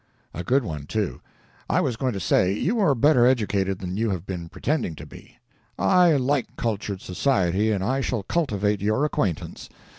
"A good one, too. I was going to say, you are better educated than you have been pretending to be. I like cultured society, and I shall cultivate your acquaintance.